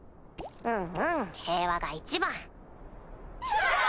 うんうん平和が一番。